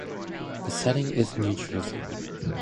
The setting is New Jersey.